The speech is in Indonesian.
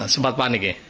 sempat panik ya